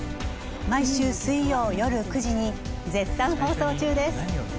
毎週水曜よる９時に絶賛放送中です。